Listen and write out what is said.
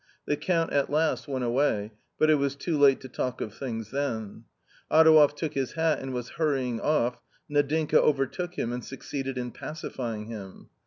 The Count at last went away, but it was too late to talk of things then. Adouev took his hat and was hurrying off. Nadinka overtook him, and succeeded in pacifying him.